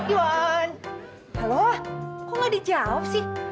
iwan halo kok gak di jawab sih